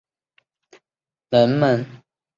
帕妮丝被岛上的人们称作天使。